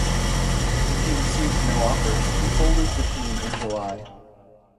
When he received no offers, he folded the team in July.